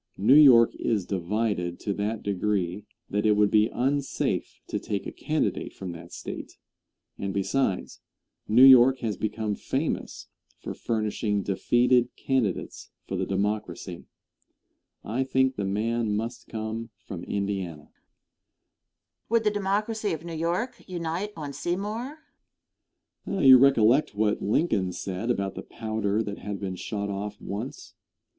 New York is divided to that degree that it would be unsafe to take a candidate from that State; and besides, New York has become famous for furnishing defeated candidates for the Democracy. I think the man must come from Indiana. Question. Would the Democracy of New York unite on Seymour? Answer. You recollect what Lincoln said about the powder that had been shot off once.